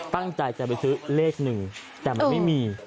ตั้งใจจะไปซื้อเลขหนึ่งแต่มันไม่มี